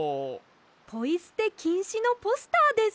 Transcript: ポイすてきんしのポスターです。